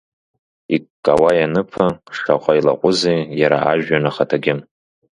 Икаууа ианыԥа, шаҟа илаҟәызеи иара ажәҩан ахаҭагьы!